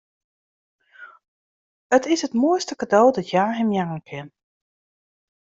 It is it moaiste kado dat hja him jaan kin.